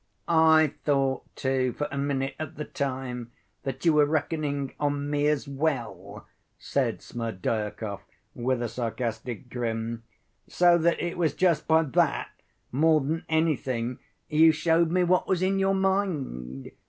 "I thought, too, for a minute, at the time, that you were reckoning on me as well," said Smerdyakov, with a sarcastic grin. "So that it was just by that more than anything you showed me what was in your mind.